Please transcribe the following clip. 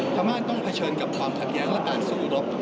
พม่าต้องเผชิญกับความขัดแย้งและการสู้รบ